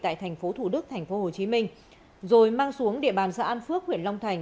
tại tp thủ đức tp hcm rồi mang xuống địa bàn xã an phước huyện long thành